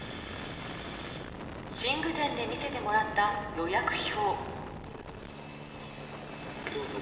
寝具店で見せてもらった予約表。